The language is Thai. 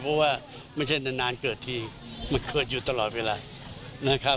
เพราะไม่ใช่นานเกิดที่มันเกิดอยู่ตลอดเวลา